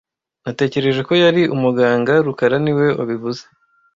Natekereje ko yari umuganga rukara niwe wabivuze